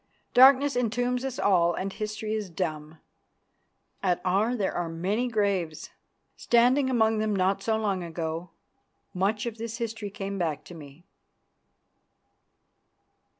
Darkness entombs us all and history is dumb. At Aar there are many graves! Standing among them, not so long ago, much of this history came back to me.